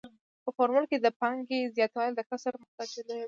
په فورمول کې د پانګې زیاتوالی د کسر مخرج لویوي